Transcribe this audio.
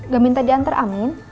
gak minta diantar amin